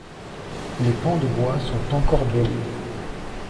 Les pans de bois sont encorbellés.